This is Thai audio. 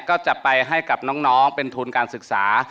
ก็จะไปให้กับน้องเป็นทุนการศึกษา